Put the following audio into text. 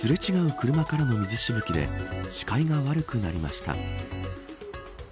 車からの水しぶきで視界が悪くなりました。